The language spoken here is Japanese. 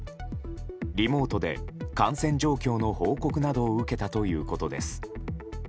リモートで、感染状況の報告などを受けたということです。